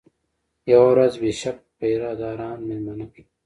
یوه ورځ بیشپ پیره داران مېلمانه کړل.